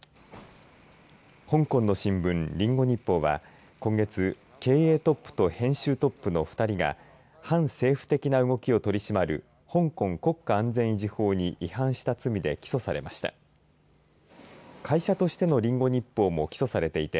香港の新聞、リンゴ日報は今月、経営トップと編集トップの２人が反政府的な動きを取り締まる香港国家安全維持法に違反した罪で起訴されました。